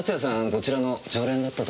こちらの常連だったとか。